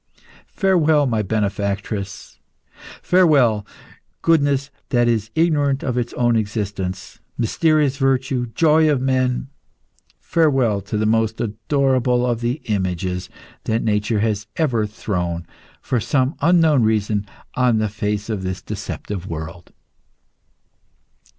Farewell, my benefactress! Farewell, goodness that is ignorant of its own existence, mysterious virtue, joy of men! Farewell to the most adorable of the images that nature has ever thrown for some unknown reasons on the face of this deceptive world!"